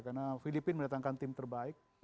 karena filipina mendatangkan tim terbaik